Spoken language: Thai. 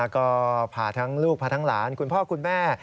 ก็พาทั้งลูกพาทั้งหลานคุณพ่อคุณแม่